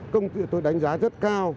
công ty tôi đánh giá rất cao